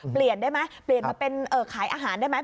เปลี่ยนได้ไหมเปลี่ยนมาเป็นขายอาหารได้ไหม